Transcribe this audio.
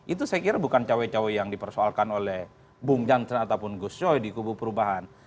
itu saya kira bukan cawe cawe yang dipersoalkan oleh bung jansen ataupun gus coy di kubu perubahan